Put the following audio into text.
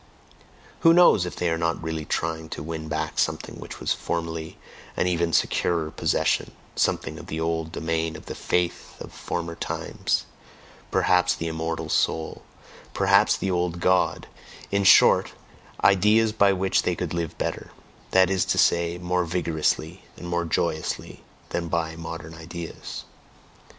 who knows if they are not really trying to win back something which was formerly an even securer possession, something of the old domain of the faith of former times, perhaps the "immortal soul," perhaps "the old God," in short, ideas by which they could live better, that is to say, more vigorously and more joyously, than by "modern ideas"?